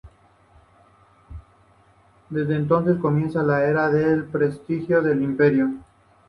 Desde entonces comienza la era de prestigio del imperio.